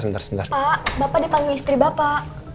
sebentar pak bapak dipanggil istri bapak